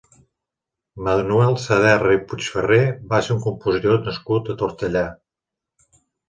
Manuel Saderra i Puigferrer va ser un compositor nascut a Tortellà.